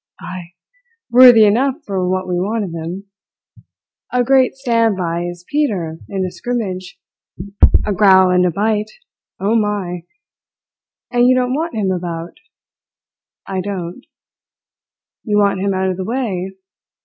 "Ay! Worthy enough for what we want of him. A great standby is Peter in a scrimmage. A growl and a bite oh, my! And you don't want him about?" "I don't." "You want him out of the way?"